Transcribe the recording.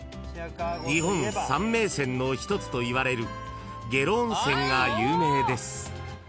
［の一つといわれる下呂温泉が有名です］